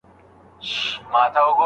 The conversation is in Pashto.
آیا ماشین تر انسان ډېر کار کوي؟